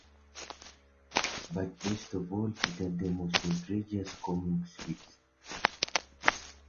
But best of all, it had the most outrageous comic strips.